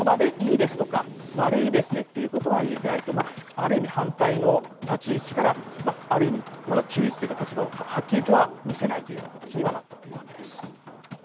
ある意味、反対の立ち位置からある意味、中立というか立場をはっきり見せないという形にはなったわけです。